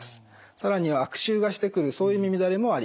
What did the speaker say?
更には悪臭がしてくるそういう耳だれもありえます。